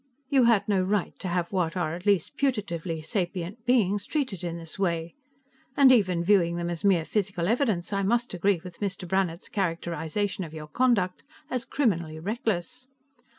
You had no right to have what are at least putatively sapient beings treated in this way, and even viewing them as mere physical evidence I must agree with Mr. Brannhard's characterization of your conduct as criminally reckless.